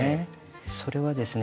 それはですね